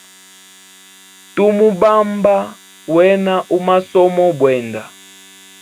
Tu mubamba wena u masomo bwenda.